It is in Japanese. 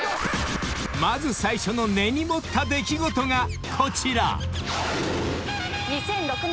［まず最初の根に持った出来事がこちら］